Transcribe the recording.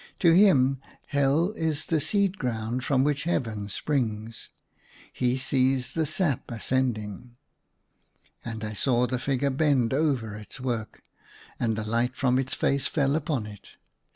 To him, Hell is the seed ground from which Heaven springs. He sees the sap ascending." And I saw the ficrure bend over its work, and the light from its face fell upon it.